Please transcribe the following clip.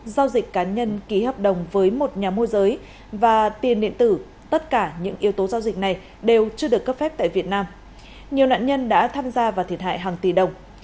giao dịch cá nhân ký hợp đồng với một nhà môi giới và tiền điện tử tất cả những yếu tố giao dịch này đều chưa được cấp phép tại việt nam nhiều nạn nhân đã tham gia và thiệt hại hàng tỷ đồng